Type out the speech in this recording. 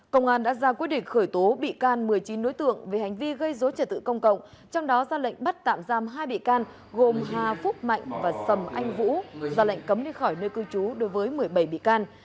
công an đã ra quyết định khởi tố bị can một mươi chín đối tượng về hành vi gây dối trật tự công cộng trong đó ra lệnh bắt tạm giam hai bị can gồm hà phúc mạnh và sầm anh vũ ra lệnh cấm đi khỏi nơi cư trú đối với một mươi bảy bị can